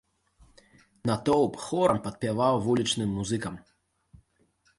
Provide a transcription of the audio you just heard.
Натоўп хорам падпяваў вулічным музыкам.